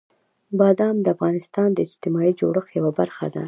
بادام د افغانستان د اجتماعي جوړښت یوه برخه ده.